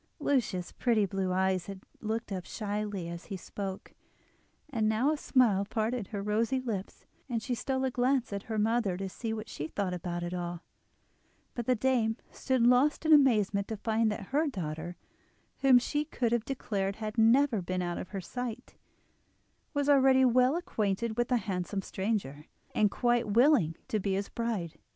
Lucia's pretty blue eyes had looked up shyly as he spoke, and now a smile parted her rosy lips; and she stole a glance at her mother to see what she thought about it all; but the dame stood lost in amazement to find that her daughter, whom she could have declared had never been out of her sight, was already well acquainted with the handsome stranger, and quite willing to be his bride.